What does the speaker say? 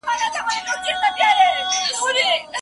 ایا لارښود استاد باید د مقالې املا سمه کړي؟